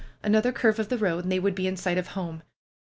Another curve of the road, and they would be in sight of home.